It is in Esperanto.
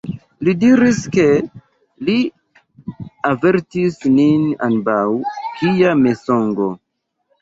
Li diris, ke li avertis nin ambaŭ: kia mensogo!